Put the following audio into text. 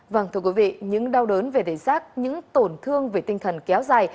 vâng thưa quý vị những đau đớn về đẩy giác những tổn thương về tinh thần kéo dài